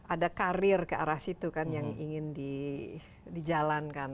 ada karir ke arah situ kan yang ingin dijalankan